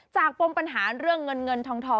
ปมปัญหาเรื่องเงินเงินทอง